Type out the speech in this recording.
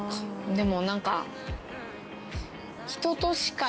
でも何か。